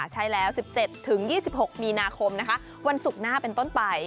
ใช้แล้ว๑๗๒๖มีนาคมวันศุกร์หน้าเป็นต้นไป